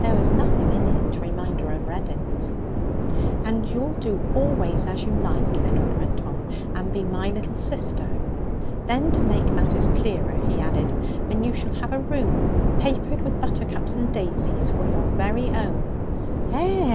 There was nothing in it to remind her of Reddin's. 'And you'll do always as you like,' Edward went on, 'and be my little sister.' Then, to make matters clearer, he added: 'and you shall have a room papered with buttercups and daisies for your very own.' 'Eh!